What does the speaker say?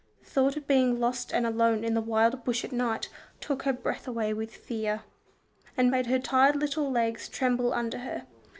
The thought of being lost and alone in the wild bush at night, took her breath away with fear, and made her tired little legs tremble under her.